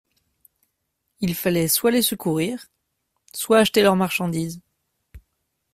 Il fallait soit les secourir, soit acheter leurs marchandises.